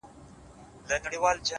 ځوان د تکي زرغونې وني نه لاندي!